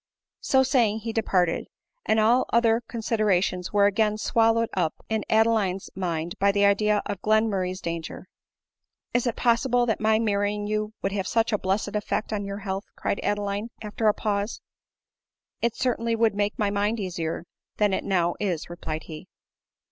So saying he departed > and all other considerations were again swallowed up in Adeline's mind by the idea of Glenmurray's danger. " Is it possible that my marrying you would have such a blessed effect on your health ?" cried Adeline after a pause. "It certainly would make my mind easier than it now is," replied he.